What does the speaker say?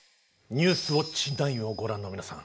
「ニュースウオッチ９」をご覧の皆さん